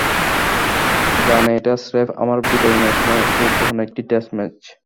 জানে, এটা স্রেফ আমার বিদায়ী ম্যাচ নয়, গুরুত্বপূর্ণ একটি টেস্ট ম্যাচ।